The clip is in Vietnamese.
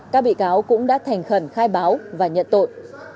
các bị cáo cũng đã thành khẩn khai báo và nhận tội